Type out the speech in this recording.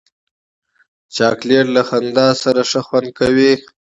چاکلېټ له خندا سره ښه خوند کوي.